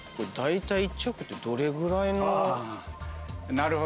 なるほどね。